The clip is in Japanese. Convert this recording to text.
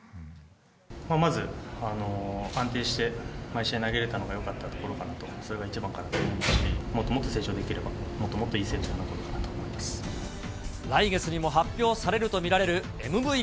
まず、安定して毎試合投げれたのがよかったところかなと、それが一番かなと思いますし、もっともっと成長できれば、もっともっといい選来月にも発表されると見られるＭＶＰ。